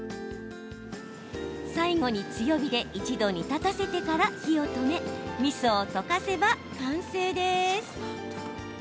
最後に強火で一度煮立たせてから火を止めみそを溶かせば完成です。